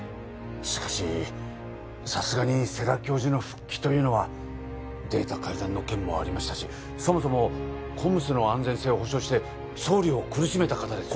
しかしさすがに世良教授の復帰というのはデータ改ざんの件もありましたしそもそもＣＯＭＳの安全性を保証して総理を苦しめた方ですよ